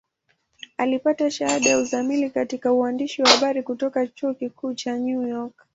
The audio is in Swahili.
Alipata shahada ya uzamili katika uandishi wa habari kutoka Chuo Kikuu cha New York.